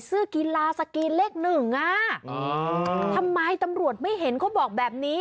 เสื้อกีฬาสกรีนเลขหนึ่งอ่ะทำไมตำรวจไม่เห็นเขาบอกแบบนี้